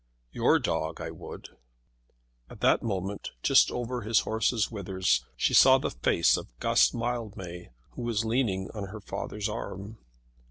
"Your dog I would." At that moment, just over his horse's withers, she saw the face of Guss Mildmay who was leaning on her father's arm.